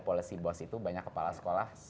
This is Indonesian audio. policy bos itu banyak kepala sekolah